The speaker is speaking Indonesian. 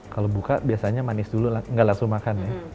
kalau buka biasanya manis dulu nggak langsung makan ya